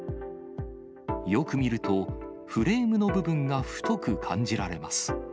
よく見ると、フレームの部分が太く感じられます。